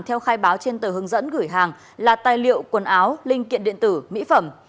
theo khai báo trên tờ hướng dẫn gửi hàng là tài liệu quần áo linh kiện điện tử mỹ phẩm